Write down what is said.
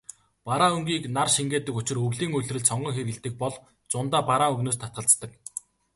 Бараан өнгийг нар шингээдэг учир өвлийн улиралд сонгон хэрэглэдэг бол зундаа бараан өнгөнөөс татгалздаг.